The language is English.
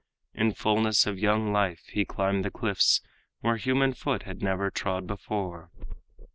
In fullness of young life he climbed the cliffs Where human foot had never trod before.